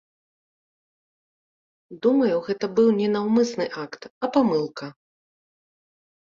Думаю, гэта быў не наўмысны акт, а памылка.